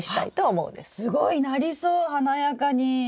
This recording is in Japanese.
すごいなりそう華やかに。